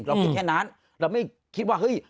เราคิดแค่นั้นเราไม่คิดว่าเฮ้ย